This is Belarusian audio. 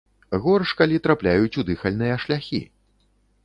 Горш, калі трапляюць у дыхальныя шляхі.